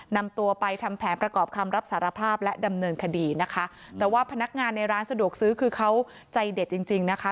นำตัวไปทำแผนประกอบคำรับสารภาพและดำเนินคดีนะคะแต่ว่าพนักงานในร้านสะดวกซื้อคือเขาใจเด็ดจริงจริงนะคะ